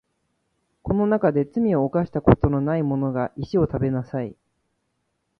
この中で罪を犯したことのないものが石を食べなさい